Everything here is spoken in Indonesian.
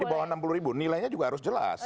di bawah enam puluh ribu nilainya juga harus jelas